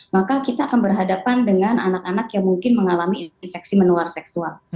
maka kita akan berhadapan dengan anak anak yang mungkin mengalami infeksi menular seksual